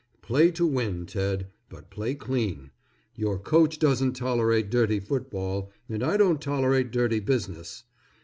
Play to win, Ted, but play clean. Your coach doesn't tolerate dirty football, and I don't tolerate dirty business.